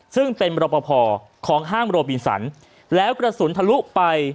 ซึ่งเป็นรปภของห้างโรบินสันแล้วกระสุนทะลุไป